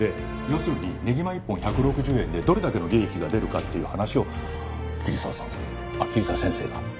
要するにねぎま１本１６０円でどれだけの利益が出るかっていう話を桐沢さんあっ桐沢先生が。